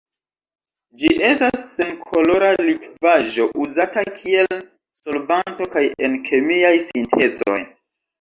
Ĝi estas senkolora likvaĵo uzata kiel solvanto kaj en kemiaj sintezoj.